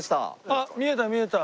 あっ見えた見えた。